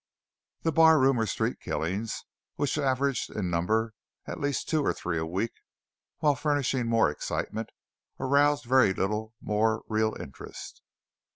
The barroom or street killings, which averaged in number at least two or three a week, while furnishing more excitement, aroused very little more real interest.